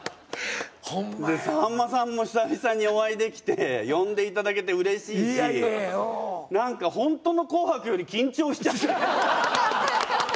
さんまさんも久々にお会いできて呼んで頂けてうれしいし何かホントの「紅白」より緊張しちゃって。